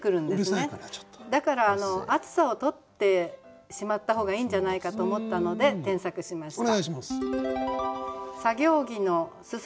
だから「暑さ」を取ってしまった方がいいんじゃないかと思ったので添削しました。